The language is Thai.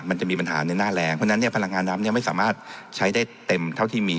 มันจะมีปัญหาในหน้าแรงเพราะฉะนั้นเนี่ยพลังงานน้ำเนี่ยไม่สามารถใช้ได้เต็มเท่าที่มี